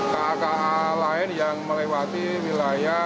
ka ka lain yang melewati wilayah